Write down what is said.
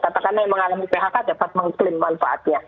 katakanlah yang mengalami phk dapat mengklaim manfaatnya